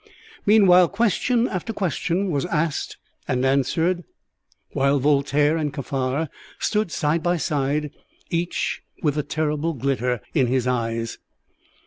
Meanwhile question after question was asked and answered, while Voltaire and Kaffar stood side by side, each with a terrible glitter in his eyes.